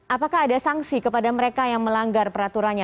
apakah ada sanksi kepada mereka yang melanggar peraturannya